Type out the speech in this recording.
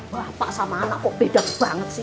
bapak sama anak kok beda banget sih